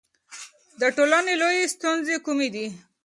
د ټولنې لویې ستونزې کومې دي؟